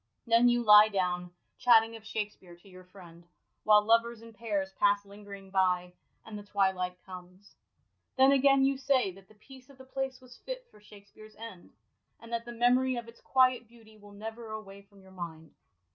Then you lie down, chatting of Shakspere to your friend, while lovers in pairs pass lingering by, and the twilight comes. Then again you say that the peace of the place was fit for Shakspere's end, and that the memory of its quiet beauty will never away from your mind.